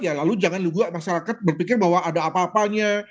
ya lalu jangan juga masyarakat berpikir bahwa ada apa apanya